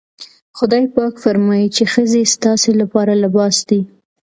خدای پاک فرمايي چې ښځې ستاسې لپاره لباس دي.